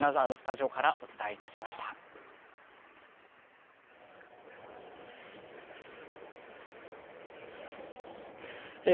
ここまで金沢のスタジオからお伝えいたしました。